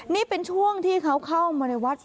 นี่เป็นช่วงที่เขาเข้ามาในวัด